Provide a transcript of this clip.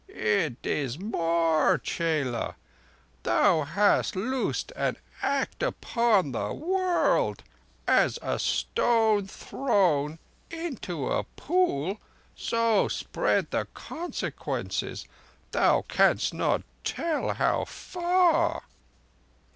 "It is more, chela. Thou hast loosed an Act upon the world, and as a stone thrown into a pool so spread the consequences thou canst not tell how far."